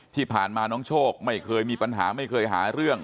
ที่ผ่านมาน้องโชคไม่เคยมีปัญหาไม่เคยหาเรื่อง